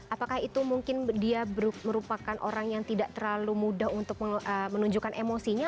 apakah itu mungkin dia merupakan orang yang tidak terlalu mudah untuk menunjukkan emosinya